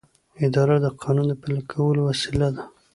اداره د قانون د پلي کولو وسیله ده.